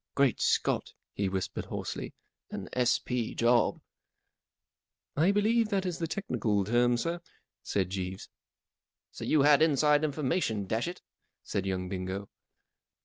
44 Great Scot !" he whispered, hoarsely. 44 An S.P. job !" 44 I believe that is the technical term, sir," said Jeeves. 44 So you had inside information, dash it I " said young Bingo.